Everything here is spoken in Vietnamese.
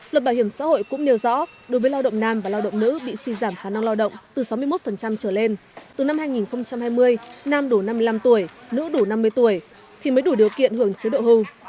luật bảo hiểm xã hội cũng nêu rõ đối với lao động nam và lao động nữ bị suy giảm khả năng lao động từ sáu mươi một trở lên từ năm hai nghìn hai mươi nam đủ năm mươi năm tuổi nữ đủ năm mươi tuổi thì mới đủ điều kiện hưởng chế độ hưu